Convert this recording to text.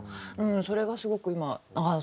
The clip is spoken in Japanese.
それがすごく今あ